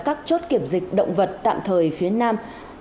các chốt kiểm dịch động vật tạm thời phía nam